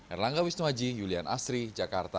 erlangga wisnuaji julian asri jakarta